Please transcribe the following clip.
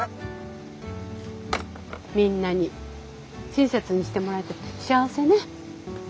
みんなに親切にしてもらえて幸せね。